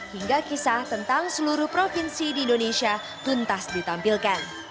hingga kisah tentang seluruh provinsi di indonesia tuntas ditampilkan